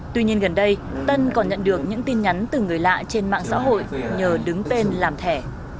tuy nhiên gần đây tân còn nhận được những tin nhắn từ người lạ trên mạng xã hội nhờ đứng tên làm thẻ